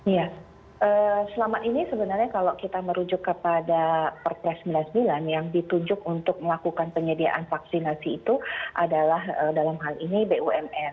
ya selama ini sebenarnya kalau kita merujuk kepada perpres sembilan puluh sembilan yang ditunjuk untuk melakukan penyediaan vaksinasi itu adalah dalam hal ini bumn